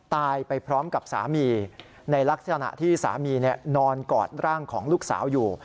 ไปพร้อมกับสามีในลักษณะที่สามีนอนกอดร่างของลูกสาวอยู่